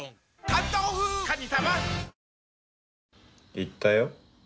行ったよ。